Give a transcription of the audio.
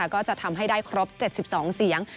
ก็จะทำให้ได้ครบ๗๒เสียง